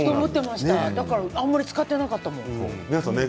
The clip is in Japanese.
だからあんまり使っていなかったもん。